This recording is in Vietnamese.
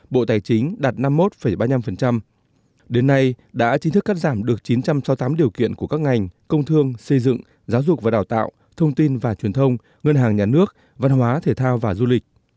bộ tài chính đạt năm mươi một ba mươi năm đến nay đã chính thức cắt giảm được chín trăm sáu mươi tám điều kiện của các ngành công thương xây dựng giáo dục và đào tạo thông tin và truyền thông ngân hàng nhà nước văn hóa thể thao và du lịch